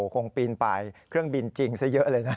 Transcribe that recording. ปีนไปเครื่องบินจริงซะเยอะเลยนะ